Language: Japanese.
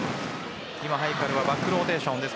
今、ハイカルはバックローテーションです。